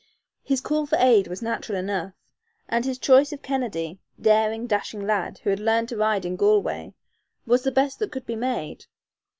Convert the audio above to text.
His call for aid was natural enough, and his choice of Kennedy, daring, dashing lad who had learned to ride in Galway, was the best that could be made.